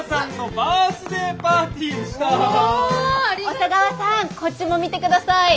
小佐川さんこっちも見て下さい。